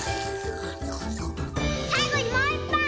さいごにもういっぱい！